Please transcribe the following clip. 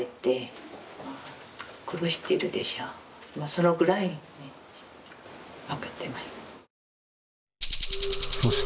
そのぐらい分かってます。